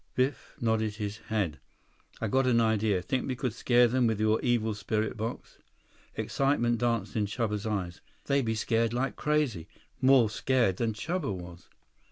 124 Biff nodded his head. "I've got an idea. Think we could scare them with your Evil Spirit Box?" Excitement danced in Chuba's eyes. "They be scared like crazy. More scared than Chuba was."